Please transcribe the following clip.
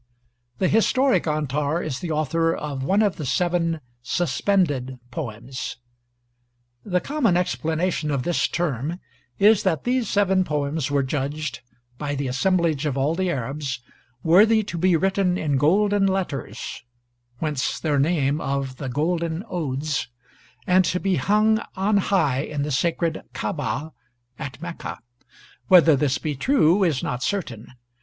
The historic Antar is the author of one of the seven "suspended poems." The common explanation of this term is that these seven poems were judged, by the assemblage of all the Arabs, worthy to be written in golden letters (whence their name of the 'golden odes'), and to be hung on high in the sacred Kaabah at Mecca. Whether this be true, is not certain.